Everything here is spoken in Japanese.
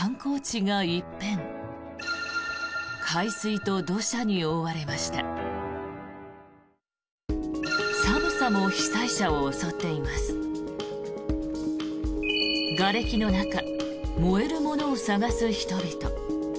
がれきの中燃えるものを探す人々。